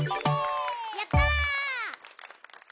やった！